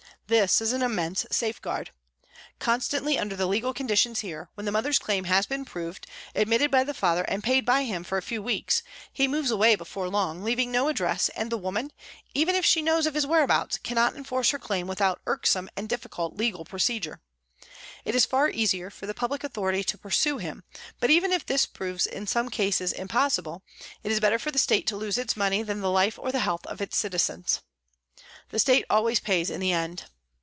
This is an immense safeguard. Constantly under the legal conditions here, when the mother's claim has been proved, admitted by the father and paid by him for a few weeks, he moves away before long, leaving no address and the woman, even if she knows of his whereabouts, cannot enforce her claim without irksome and difficult legal procedure. It is far easier for the public authority to pursue him, but even if this proves in some cases impossible, it is better for the State to lose its money than the life or health of its citizens. The State always pays in the end.